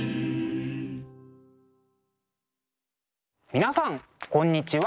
皆さんこんにちは。